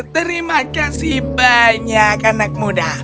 terima kasih banyak anak muda